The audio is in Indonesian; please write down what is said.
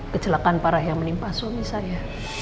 kecelakaan parah yang menimpa suami saya